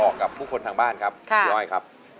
ทุกคนนี้ก็ส่งเสียงเชียร์ทางบ้านก็เชียร์